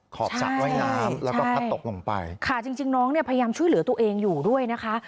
ขอบสระว่ายน้ำแล้วก็พัดตกลงไปค่ะจริงจริงน้องเนี่ยพยายามช่วยเหลือตัวเองอยู่ด้วยนะคะ